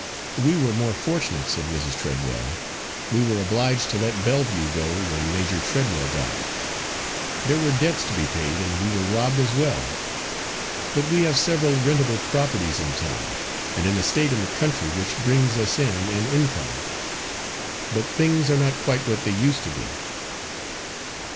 "We were more fortunate," said Mrs. Treadwell. "We were obliged to let Belleview go when Major Treadwell died there were debts to be paid, and we were robbed as well but we have several rentable properties in town, and an estate in the country which brings us in an income. But things are not quite what they used to be!"